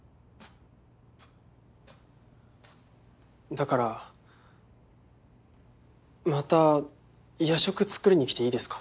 だからまた夜食作りに来ていいですか？